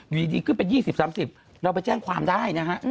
อยู่ดีก็เป็น๒๐๓๐บาทเราไปแจ้งความได้นะครับ